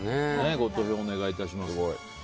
ご投票お願いします。